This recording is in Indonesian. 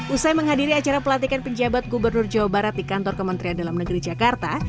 usai menghadiri acara pelantikan penjabat gubernur jawa barat di kantor kementerian dalam negeri jakarta